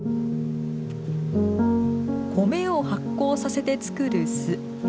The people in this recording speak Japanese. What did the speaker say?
米を発酵させて作る酢。